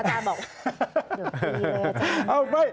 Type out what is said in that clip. อาจารย์บอกเดี๋ยวพูดดีเลยอาจารย์น้า